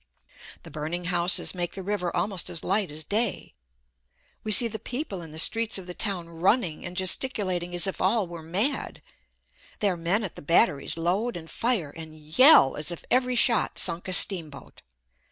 The burning houses make the river almost as light as day. We see the people in the streets of the town running and gesticulating as if all were mad; their men at the batteries load and fire and yell as if every shot sunk a steamboat.